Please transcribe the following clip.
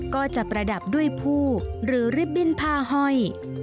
ก็จะประดับด้วยผู้หรือริบบิ้นผ้าห้อย